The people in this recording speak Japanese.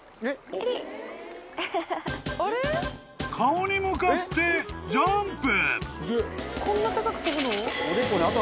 ［顔に向かってジャンプ！］